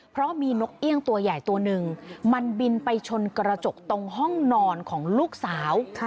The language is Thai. เพราะมีนกเอี่ยงตัวใหญ่ตัวหนึ่งมันบินไปชนกระจกตรงห้องนอนของลูกสาว